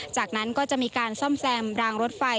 จากนั้นก็จะมีการซ่อมแซมรางรถไฟ